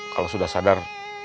kalau sudah sadar